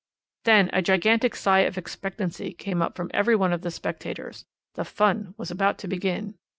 "Then a gigantic sigh of expectancy came from every one of the spectators. The 'fun' was about to begin.